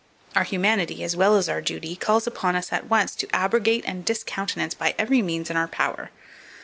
Our humanity, as well as our duty, calls upon us at once to abrogate and discountenance by every means in our power.